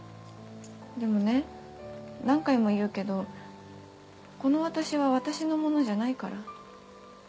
でもね何回も言うけどこの私は私のものじゃないから。